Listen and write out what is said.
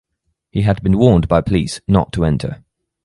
He had been warned by police not to enter.